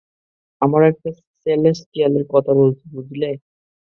আমরা একটা সেলেস্টিয়ালের কথা বলছি, বুঝলে?